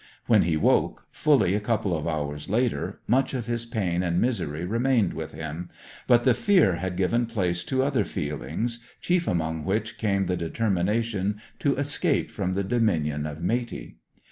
When he woke, fully a couple of hours later, much of his pain and misery remained with him; but the fear had given place to other feelings, chief among which came the determination to escape from the dominion of Matey.